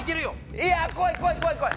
いや怖い怖い怖い！